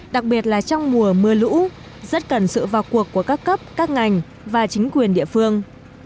đặc biệt là trong mùa mưa lũ rất cần sự vào cuộc của các cấp các ngành và chính quyền địa phương